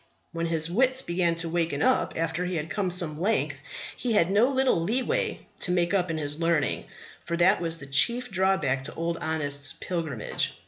When his wits began to waken up after he had come some length he had no little leeway to make up in his learning; but that was the chief drawback to Old Honest's pilgrimage.